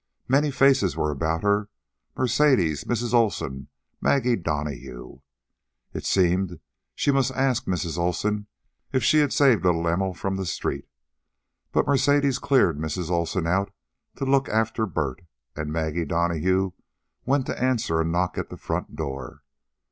Many faces were about her Mercedes, Mrs. Olsen, Maggie Donahue. It seemed she must ask Mrs. Olsen if she had saved little Emil from the street, but Mercedes cleared Mrs. Olsen out to look after Bert, and Maggie Donahue went to answer a knock at the front door.